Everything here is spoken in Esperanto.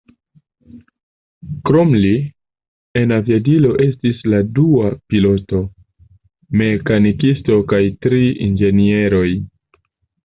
Krom li, en aviadilo estis la dua piloto, mekanikisto kaj tri inĝenieroj.